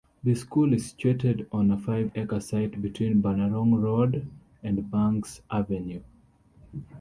The school is situated on a five-acre site between Bunnerong Road and Banks Avenue.